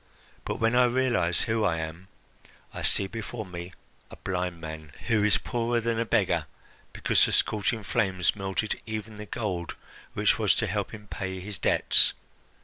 But when I realize who I am, I see before me a blind man who is poorer than a beggar, because the scorching flames melted even the gold which was to help him pay his debts."